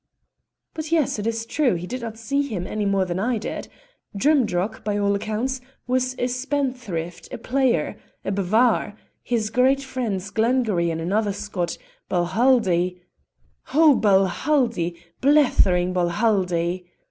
"But yes, it is true, he did not see him any more than I did. Drimdarroch, by all accounts, was a spendthrift, a player, a bavard, his great friends, Glengarry and another Scot, Balhaldie " "Oh, Balhaldie! blethering Balhaldie!"